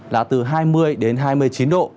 là từ hai mươi đến hai mươi chín độ